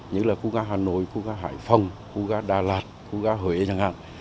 như là khu gá hà nội khu gá hải phòng khu gá đà lạt khu gá huế chẳng hạn